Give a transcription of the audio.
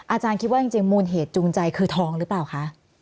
อาจารย์คิดว่าจริงมูลเหตุจูงใจคือทองหรือเปล่าคะ